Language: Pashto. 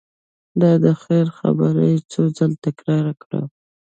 دا د خیر خبره یې څو ځل تکرار کړه.